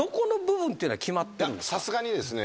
さすがにですね